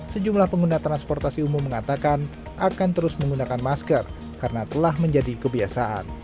sejumlah pengguna transportasi umum mengatakan akan terus menggunakan masker karena telah menjadi kebiasaan